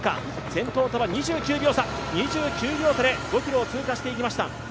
先頭とは２９秒差で５ｋｍを通過していきました。